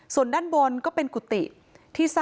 ส่วนด้านบนก็เป็นกุฏิที่๓